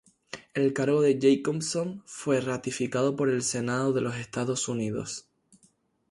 El cargo de Jacobson fue ratificado por el Senado de los Estados Unidos.